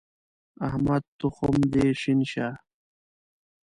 احمده! تخم دې شين شه.